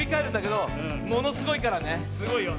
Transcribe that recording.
すごいよ。